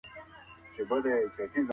له عقدو ډک ژوند یوازي غمونه راوړي.